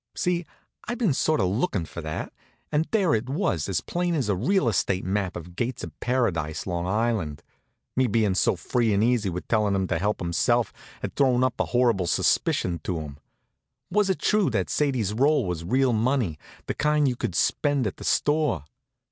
See? I'd been sort of lookin' for that; and there it was, as plain as a real estate map of Gates of Paradise, Long Island. Me bein' so free and easy with tellin' him to help himself had thrown up a horrible suspicion to him. Was it true that Sadie's roll was real money, the kind you could spend at the store?